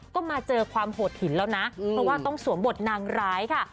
ก็มาเจอความโหดหินแล้วนะเพราะว่าต้องสวมบทนางร้ายค่ะ